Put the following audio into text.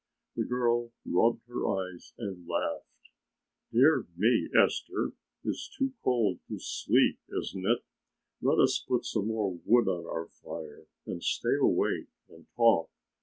The girl rubbed her eyes and laughed. "Dear me, Esther, it's too cold to sleep, isn't it? Let us put some more wood on our fire and stay awake and talk.